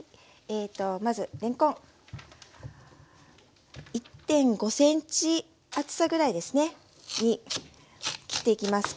まずれんこん１．５ｃｍ厚さぐらいですねに切っていきます。